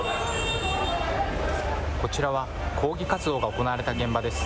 こちらは抗議活動が行われた現場です。